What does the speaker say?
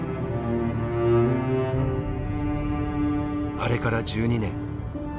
あれから１２年。